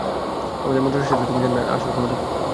আমাদের মন্ত্র শেষ হলেই তুমি জানবে আসল ক্ষমতা কী।